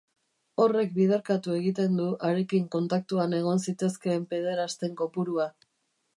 Horrek biderkatu egiten du harekin kontaktuan egon zitezkeen pederasten kopurua.